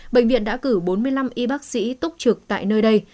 bệnh viện đã cử bốn mươi năm y bác sĩ túc trực tại nơi đây